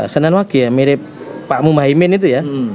senin wage ya mirip pak muhaymin itu ya